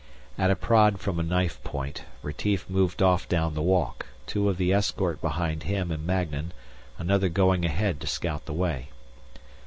At a prod from a knife point, Retief moved off down the walk, two of the escort behind him and Magnan, another going ahead to scout the way.